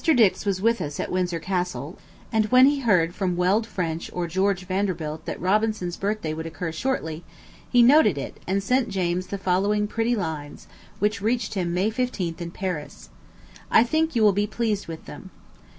Dix was with us at Windsor Castle, and when he heard from Weld French or George Vanderbilt that Robinson's birthday would occur shortly, he noted it, and sent James the following pretty lines, which reached him May 15th, in Paris. I think you will be pleased with them.